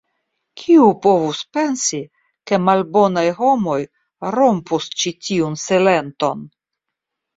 Kiu povus pensi, ke malbonaj homoj rompus ĉi tiun silenton?